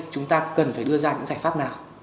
chúng ta cần phải đưa ra những giải pháp nào